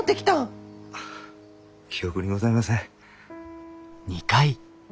記憶にございません。